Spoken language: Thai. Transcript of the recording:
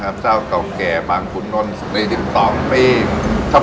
กลับมาสืบสาวเราเส้นที่ย่านบังคุณนอนเก็นต่อค่ะจะอร่อยเด็ดแค่ไหนให้เฮียเขาไปพิสูจน์กัน